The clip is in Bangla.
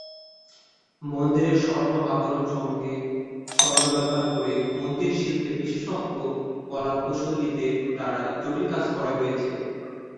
মন্দিরের স্বর্ণ আবরণ সঙ্গে, স্বর্ণ ব্যবহার করে মন্দির শিল্প বিশেষজ্ঞ কলাকুশলীদের দ্বারা জটিল কাজ করা হয়েছে।